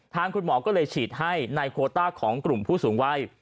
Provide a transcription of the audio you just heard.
ทางคุณหมอก็เลยฉีดให้ในโคต้าของกลุ่มผู้สูงวัย